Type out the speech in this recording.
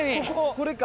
これか。